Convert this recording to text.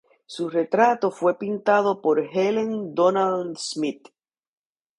Su retrato fue pintado por Helen Donald-Smith.